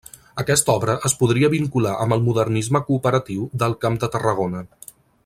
Aquesta obra es podria vincular amb el modernisme cooperatiu del Camp de Tarragona.